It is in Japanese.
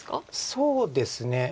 そうですね。